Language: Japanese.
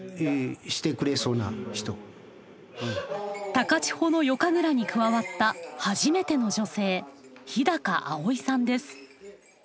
高千穂の夜神楽に加わった初めての女性日葵さんです。